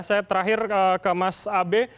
saya terakhir ke mas abe